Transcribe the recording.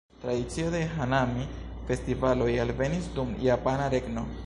Tradicio de "hanami"-festivaloj alvenis dum japana regno.